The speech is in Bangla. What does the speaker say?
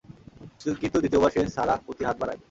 কিন্তু দ্বিতীয়বার সে সারাহ্ প্রতি হাত বাড়ায়।